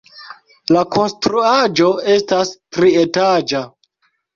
La konstruaĵo estas trietaĝa.